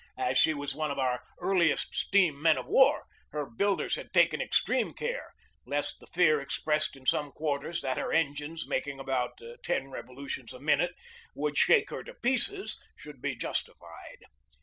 As she was one of our earli est steam men of war, her builders had taken ex treme care lest the fear expressed in some quarters that her engines, making about ten revolutions a minute, would shake her to pieces, should be justi fied.